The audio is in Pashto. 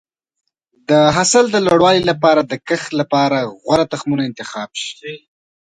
د حاصل د لوړوالي لپاره د کښت لپاره غوره تخمونه انتخاب شي.